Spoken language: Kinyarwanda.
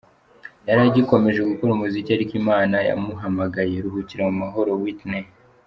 Yari agikomeje gukora umuziki ,ariko Imana yamuhamagaye! Ruhukira mu mahoro Whitney!”.